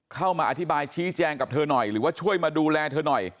เข้ามาอธิบายชี้แจงกับเธอหน่อยหรือว่าช่วยมาดูแลเธอหน่อย